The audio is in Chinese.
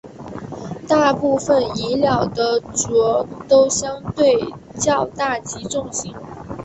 大部份蚁鸟的喙都相对较大及重型。